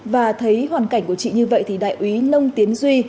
và thấy hoàn cảnh của chị như vậy thì đại úy nông tiến duy